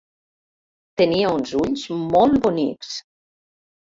Tenia uns ulls molt bonics.